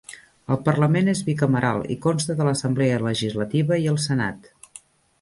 El Parlament és bicameral i consta de l'Assemblea legislativa i el Senat.